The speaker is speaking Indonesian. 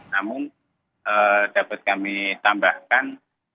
namun dapat kami tambahkan